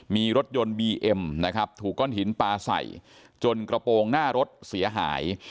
มีรถยนต์บีเอ็มนะครับถูกก้อนหินปลาใส่จนกระโปรงหน้ารถเสียหาย